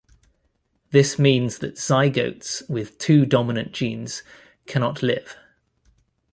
This means that zygotes with two dominant genes cannot live.